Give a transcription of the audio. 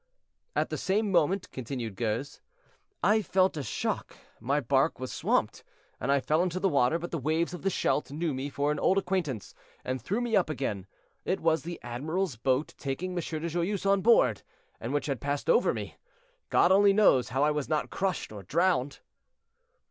"At the same moment," continued Gues, "I felt a shock; my bark was swamped, and I fell into the water, but the waves of the Scheldt knew me for an old acquaintance, and threw me up again. It was the admiral's boat taking M. de Joyeuse on board, and which had passed over me; God only knows how I was not crushed or drowned."